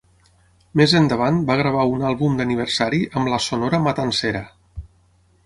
Més endavant va gravar un àlbum d'aniversari amb la Sonora Matancera.